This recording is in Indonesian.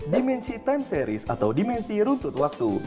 dimensi time series atau dimensi runtut waktu